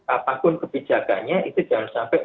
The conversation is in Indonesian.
apapun kebijakannya itu jangan sampai